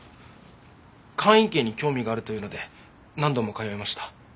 会員権に興味があるというので何度も通いました。